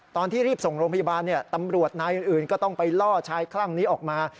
ตอนที่รีบส่งโรงพยาบาลตำรวจนายอื่นก็ต้องไปล่อชายคลั่งนี้ออกมา